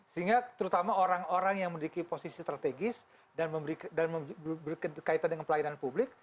sehingga terutama orang orang yang memiliki posisi strategis dan berkaitan dengan pelayanan publik